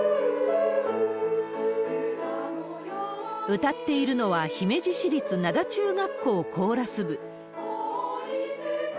歌っているのは姫路市立灘中学校コーラス部。